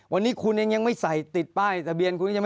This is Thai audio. วันนี้คุณยังไม่ใส่ติดป้ายทะเบียน